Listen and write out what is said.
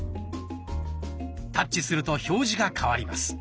タッチすると表示が替わります。